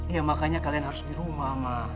iya makanya kalian harus di rumah ama